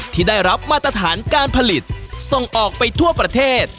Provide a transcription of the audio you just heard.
ที่ได้รับมาตรฐานการผลิตส่งออกไปทั่วประเทศ